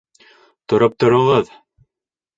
Тороп тороғоҙ!